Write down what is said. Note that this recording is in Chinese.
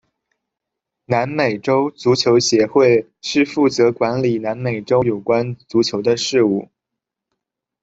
南美洲足球协会是负责管理南美洲有关足球的事务。